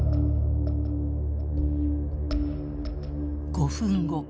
５分後。